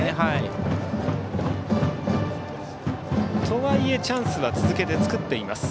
とはいえ、チャンスは続けて作っています。